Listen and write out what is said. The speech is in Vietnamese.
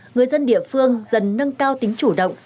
người dân địa phương dần nâng cao tính chủ động